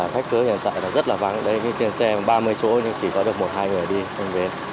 khách cưới hiện tại rất là vắng trên xe có ba mươi chỗ nhưng chỉ có được một hai người đi trên vến